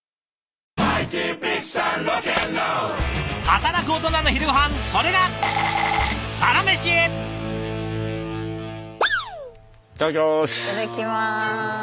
働くオトナの昼ごはんそれがいただきます！